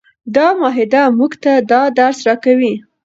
دا معاهده موږ ته دا درس راکوي.